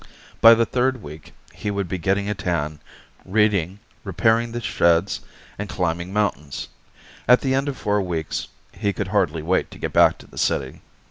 By the third week he would be getting a tan, reading, repairing the sheds and climbing mountains. At the end of four weeks, he could hardly wait to get back to the city.